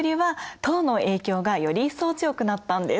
唐の影響がより一層強くなったんです。